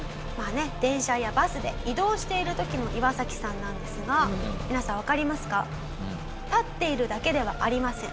電車やバスで移動している時のイワサキさんなんですが皆さんわかりますか？